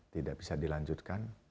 tidak bisa dilanjutkan